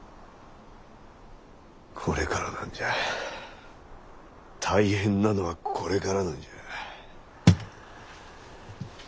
これからなんじゃ大変なのはこれからなんじゃ。